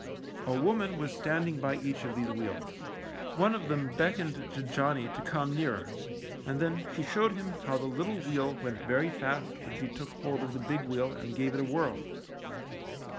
A woman was standing by each of these wheels. One of them beckoned to Johnny to come nearer, and then she showed him how the little wheel went very fast when she took hold of the big wheel and gave it a whirl.